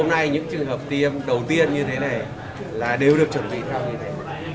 và ngày hôm nay những trường hợp tiêm đầu tiên như thế này là đều được chuẩn bị theo như thế này